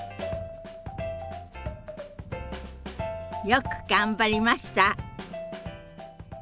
よく頑張りました。